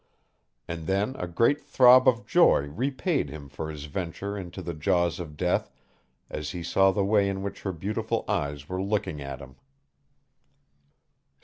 And then a great throb of joy repaid him for his venture into the jaws of death as he saw the way in which her beautiful eyes were looking at him.